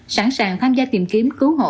sẵn sàng tham gia tìm kiếm cứu hộ